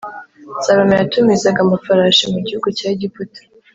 Salomo yatumizaga amafarashi mu gihugu cya Egiputa